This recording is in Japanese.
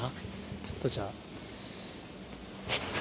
ちょっとじゃあ。